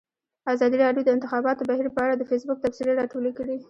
ازادي راډیو د د انتخاباتو بهیر په اړه د فیسبوک تبصرې راټولې کړي.